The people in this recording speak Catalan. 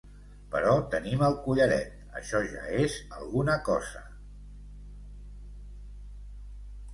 Però tenim el collaret, això ja és alguna cosa.